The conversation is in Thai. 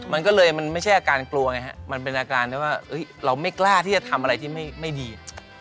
มันก็เลยมันไม่ใช่อาการกลัวไงฮะมันเป็นอาการที่ว่าเราไม่กล้าที่จะทำอะไรที่ไม่ดี